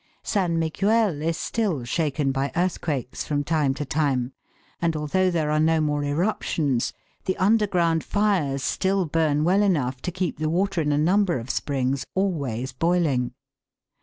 San Miguel is still shaken by earthquakes from time to time, and although there are no more eruptions, the under ground fires still burn well enough to keep the water in a number of springs always boiling.